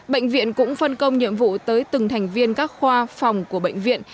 bệnh viện cũng phân công nhiệm vụ tới từng thành viên các khoa phòng của bệnh viện